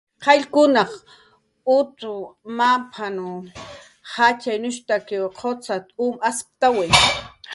"Qayllkunaq utn mamp"" jatxyanushp""tak qucxat"" um asptawi"